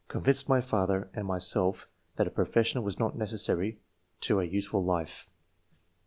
(convinced my father and myself that a pro fession was not necessary to a useful life."